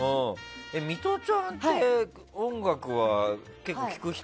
ミトちゃんって音楽は結構聴く人？